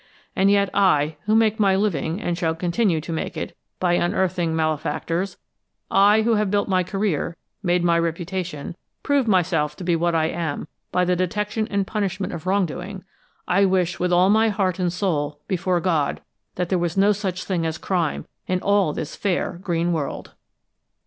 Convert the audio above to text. And yet I, who make my living, and shall continue to make it, by unearthing malefactors; I, who have built my career, made my reputation, proved myself to be what I am by the detection and punishment of wrong doing I wish with all my heart and soul, before God, that there was no such thing as crime in all this fair green world!"